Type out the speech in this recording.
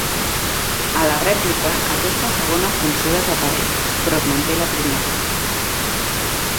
A la rèplica, aquesta segona funció desapareix, però es manté la primera.